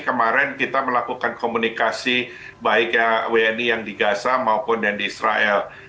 kemarin kita melakukan komunikasi baik wni yang di gaza maupun yang di israel